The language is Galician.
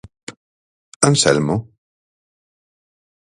¿Anselmo?